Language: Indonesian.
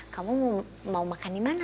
kamu mau makan dimana